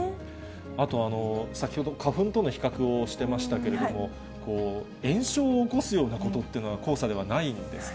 あと、先ほど、花粉との比較をしてましたけれども、炎症を起こすようなことっていうのは黄砂ではないんですか？